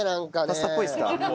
パスタっぽいですか？